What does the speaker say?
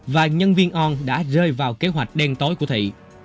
và nhân viên on đã rơi vào kế hoạch đen tối của thị